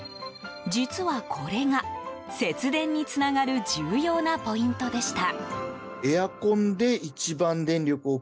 実はこれが、節電につながる重要なポイントでした。